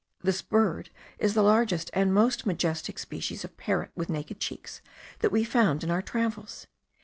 This bird is the largest and most majestic species of parrot with naked cheeks that we found in our travels.